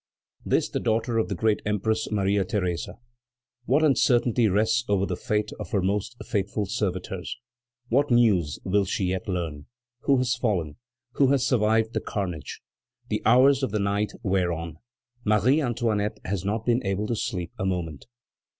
This the daughter of the great Empress Maria Theresa? What uncertainty rests over the fate of her most faithful servitors! What news will she yet learn? Who has fallen? Who has survived the carnage? The hours of the night wear on; Marie Antoinette has not been able to sleep a moment.